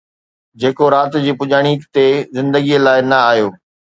جيڪو رات جي پڄاڻيءَ تي زندگيءَ لاءِ نه آيو